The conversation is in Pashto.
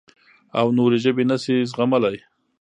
او نورې ژبې نه شي زغملی.